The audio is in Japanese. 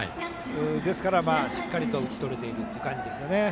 ですから、しっかり打ち取れている感じです。